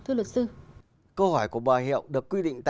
câu hỏi của bà hiệu được quy định